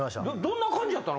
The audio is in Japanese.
どんな感じやった？